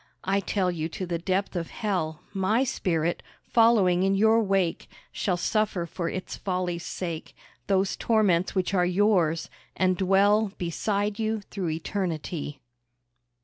I tell you to the depth of Hell, My spirit, following in your wake, Shall suffer for its folly's sake Those torments which are yours, and dwell Beside you through Eternity.